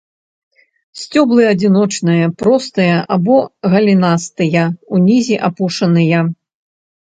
Сцёблы адзіночныя, простыя або галінастыя, унізе апушаныя.